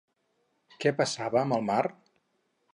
Què passava amb el mar?